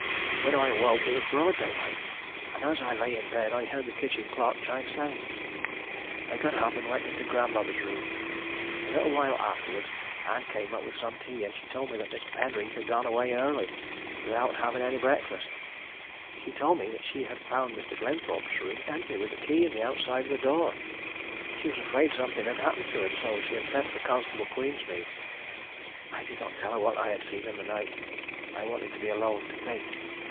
When I awoke it was broad daylight, and as I lay in bed I heard the kitchen clock chime seven. "I got up, and went into grandmother's room. A little while afterwards Ann came up with some tea, and she told me that Mr. Penreath had gone away early, without having any breakfast. She told me that she had found Mr. Glenthorpe's room empty, with the key in the outside of the door. She was afraid something had happened to him, so she had sent for Constable Queensmead. I did not tell her what I had seen in the night. I wanted to be alone, to think.